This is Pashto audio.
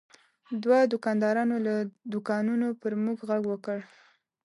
دوه دوکاندارانو له دوکانونو پر موږ غږ وکړ.